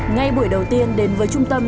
ngay buổi đầu tiên đến với trung tâm